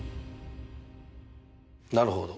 なるほど。